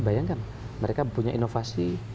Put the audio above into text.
bayangkan mereka punya inovasi